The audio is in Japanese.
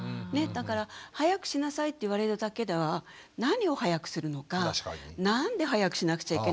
だから早くしなさいって言われるだけでは何を早くするのかなんで早くしなくちゃいけないのかその意味は全然伝わってない。